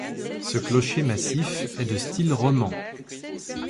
Ce clocher massif est de style roman.